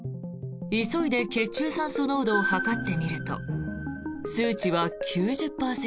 急いで血中酸素濃度を測ってみると数値は９０％。